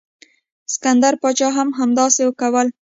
سکندر پاچا هم همداسې کول.